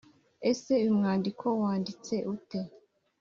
Ese uyu mwandiko wanditse ute